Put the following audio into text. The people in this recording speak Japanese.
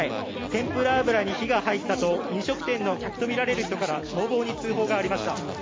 天ぷら油に火が入ったと飲食店の客とみられる人から消防に通報がありました。